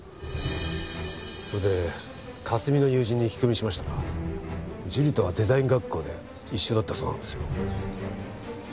それで佳澄の友人に聞き込みしましたら樹里とはデザイン学校で一緒だったそうなんですよ。